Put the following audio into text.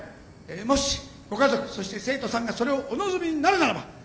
もしご家族そして生徒さんがそれをお望みになるならば。